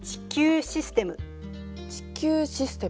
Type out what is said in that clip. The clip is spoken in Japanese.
地球システム。